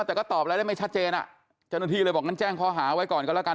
ยิ่งเว็บไซต์เนี่ยยิ่งดีเว็บไซต์อะไรมันจะมีร่องลอยสืบได้